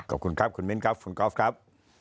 ขอบคุณครับคุณมิ้นครับคุณกอล์ฟครับ